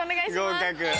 合格。